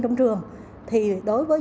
trong trường thì đối với